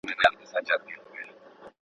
دا رواجونه د واده د ژر کيدو سبب نه کيږي.